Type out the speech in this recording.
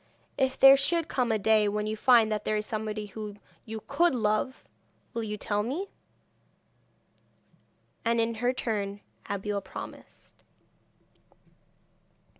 If there should come a day when you find that there is somebody whom you could love, will you tell me?' And in her turn Abeille promised.